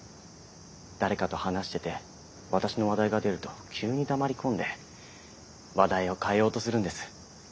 誰かと話してて私の話題が出ると急に黙り込んで話題を変えようとするんです。